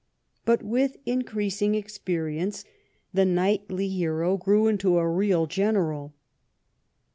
But with increasing experience the knightly hero grew into a real general.